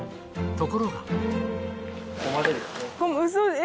ところが。